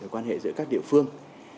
quan hệ giữa các địa phương